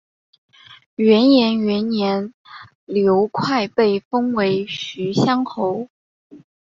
元延元年刘快被封为徐乡侯。